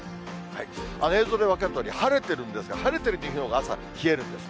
映像で分かるとおり晴れてるんですが、晴れてる日のほうが朝、冷えるんですね。